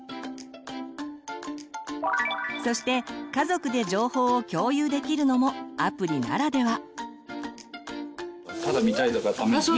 そして家族で情報を共有できるのもアプリならでは。